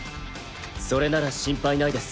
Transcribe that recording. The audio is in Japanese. それなら心配ないです。